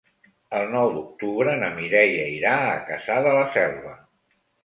El nou d'octubre na Mireia irà a Cassà de la Selva.